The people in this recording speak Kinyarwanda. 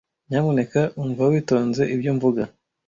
Nyamuneka umva witonze ibyo mvuga.